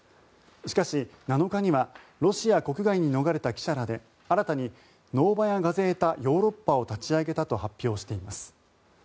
しかし、７日にはロシア国外に逃れた記者らで新たにノーバヤ・ガゼータ・ヨーロッパを立ち上げたと発表しています。